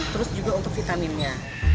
terus juga untuk vitaminnya